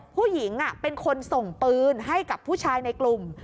ผู้หญิงเป็นคนส่งปืนให้กับผู้ชายในกลุ่ม